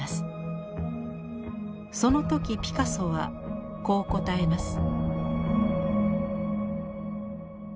その時ピカソはこう答えます。